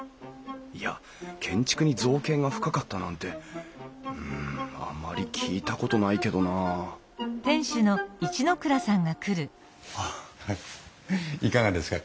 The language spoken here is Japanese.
いや建築に造詣が深かったなんてうんあまり聞いたことないけどなあいかがですか？